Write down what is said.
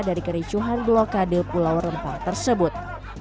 dari kericuhan blokade pulau rempang tersebut